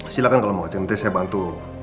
silakan kalau mau nanti saya bantu